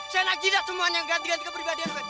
si anak jina semuanya yang ganti ganti kepribadian gua